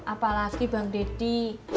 apalagi bank deddy